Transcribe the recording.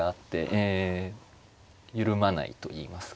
ええ。緩まないといいますか。